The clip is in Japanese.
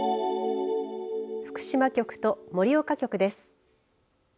福島局と盛岡局です。